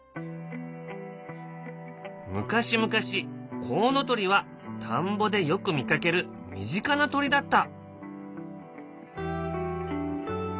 昔々コウノトリは田んぼでよく見かける身近な鳥だった。